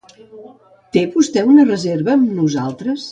Té vostè una reserva amb nosaltres?